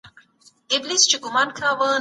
دولتونه په نړيواله کچه اړيکي لري.